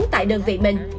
tại đơn vị mình